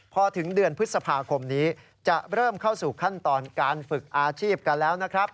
พอถึงเดือนพฤษภาคมนี้จะเริ่มเข้าสู่ขั้นตอนการฝึกอาชีพกันแล้วนะครับ